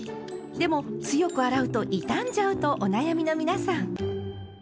でも強く洗うと傷んじゃうとお悩みの皆さん。